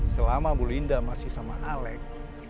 selama bu linda masih sama alec